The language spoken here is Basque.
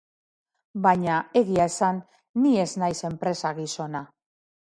Baina, egia esan, ni ez naiz enpresa-gizona.